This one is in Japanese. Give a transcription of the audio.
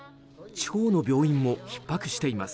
地方の病院もひっ迫しています。